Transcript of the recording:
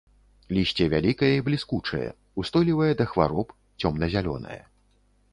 Лісце вялікае і бліскучае, устойлівае да хвароб, цёмна-зялёнае.